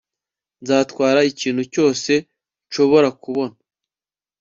nzatwara ikintu cyose nshobora kubona